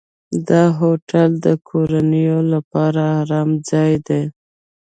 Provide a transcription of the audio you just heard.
دا هوټل د کورنیو لپاره آرام ځای دی.